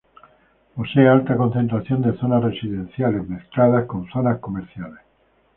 Posee alta concentración de zonas residenciales, mezcladas con zonas comerciales.